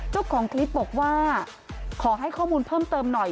เจ้าของคลิปบอกว่าขอให้ข้อมูลเพิ่มเติมหน่อย